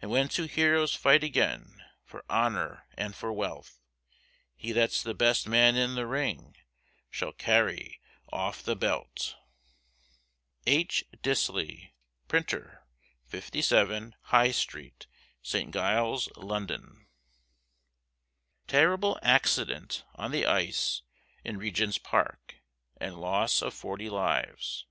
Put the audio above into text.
And when two heroes fight again, For honour and for wealth, He that's the best man in the ring, Shall carry off the belt. H. Disley, Printer, 57, High Street, St. Giles, London. TERRIBLE ACCIDENT ON THE ICE IN REGENT'S PARK, AND LOSS OF FORTY LIVES.